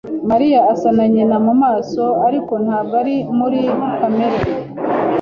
Mariya asa na nyina mu maso, ariko ntabwo ari muri kamere.